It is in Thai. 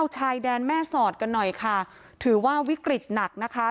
ชายแดนแม่สอดกันหน่อยค่ะถือว่าวิกฤตหนักนะคะ